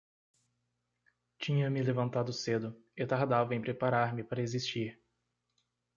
Tinha-me levantado cedo e tardava em preparar-me para existir.